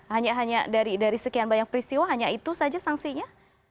hanya hanya dari sekian banyak peristiwa hanya itu saja sanksinya